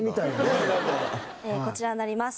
こちらになります。